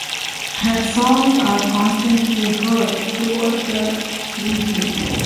Her songs are constantly heard throughout the region.